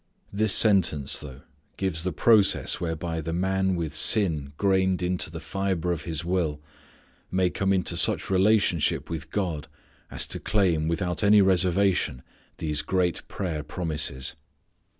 This sentence through gives the process whereby the man with sin grained into the fibre of his will may come into such relationship with God as to claim without any reservation these great prayer promises.